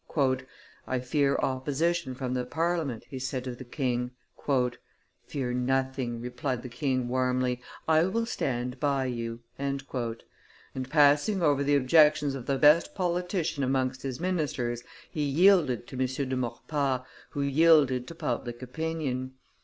"I fear opposition from the Parliament," he said to the king. "Fear nothing," replied the king warmly, "I will stand by you;" and, passing over the objections of the best politician amongst his ministers, he yielded to M. de Maurepas, who yielded to public opinion.